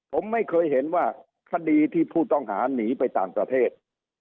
ผมไม่เคยเห็นว่าคดีที่ผู้ต้องหาหนีไปต่างประเทศ